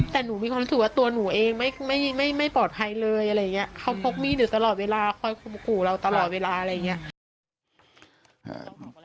แต่หนูมีความรู้สึกว่าตัวหนูเองไม่ปลอดภัยเลยอะไรอย่างนี้เขาพกมีดอยู่ตลอดเวลาคอยคมขู่เราตลอดเวลาอะไรอย่างนี้